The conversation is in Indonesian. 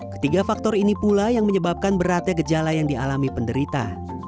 ketiga faktor ini pula yang menyebabkan beratnya gejala yang dialami penderita